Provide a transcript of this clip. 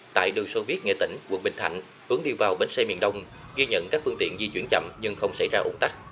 tại đường sô viết nghệ tỉnh quận bình thạnh hướng đi vào bến xe miền đông ghi nhận các phương tiện di chuyển chậm nhưng không xảy ra ủng tắc